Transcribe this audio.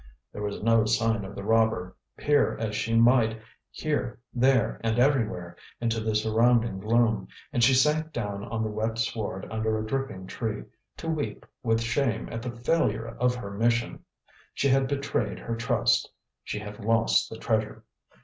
There was no sign of the robber, peer as she might, here, there and everywhere into the surrounding gloom, and she sank down on the wet sward under a dripping tree, to weep with shame at the failure of her mission. She had betrayed her trust; she had lost the treasure.